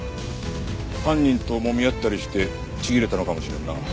犯人ともみ合ったりしてちぎれたのかもしれんな。